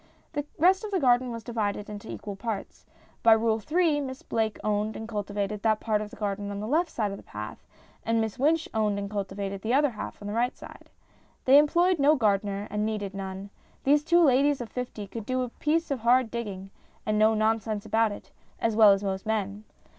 The rest of the garden was divided into equal parts. By Rule 3 Miss Blake owned and cultivated that part of the garden on the left side of the path, and Miss Wynch owned and cultivated the other half on the right side. They employed no gardener, and needed none. These two ladies of fifty could do a piece of hard digging and no nonsense about it as well as most men.